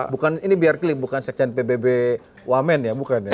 bukan ini biar klip bukan sekjen pbb wamen ya